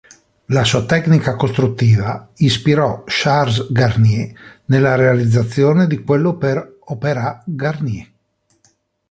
La sua tecnica costruttiva ispirò Charles Garnier nella realizzazione di quello per Opéra Garnier.